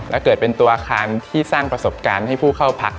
และเกิดเป็นตัวอาคารที่สร้างประสบการณ์ให้ผู้เข้าพัก